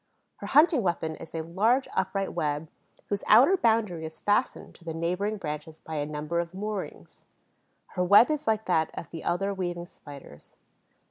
Her hunting weapon is a large upright web, whose outer boundary is fastened to the neighboring branches by a number of moorings. Her web is like that of the other weaving Spiders.